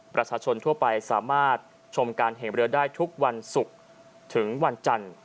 ประชาชนทั่วไปสามารถชมการแข่งเรือได้ทุกวันศุกร์ถึงวันจันทร์